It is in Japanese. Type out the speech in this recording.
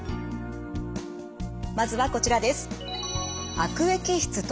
まずはこちらです。